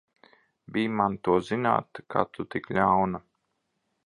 Bij man to zināt, ka tu tik ļauna!